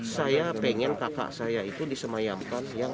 saya pengen kakak saya itu disemayamkan